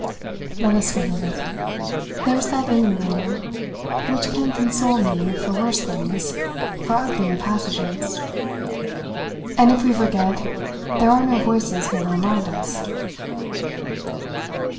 Let us forget it. There's that in you, Lena, which can console me for worse things, for uglier passages. And if we forget, there are no voices here to remind us."